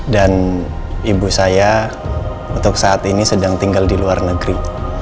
dan ibu saya untuk saat ini sedang tinggal di luar negeri